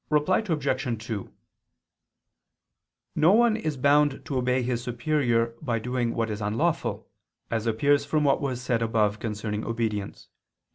Reply Obj. 2: No one is bound to obey his superior by doing what is unlawful, as appears from what was said above concerning obedience (Q.